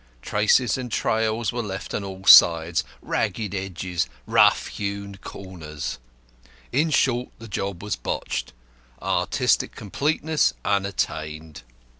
Traces and trails were left on all sides ragged edges, rough hewn corners; in short, the job was botched, artistic completeness unattained.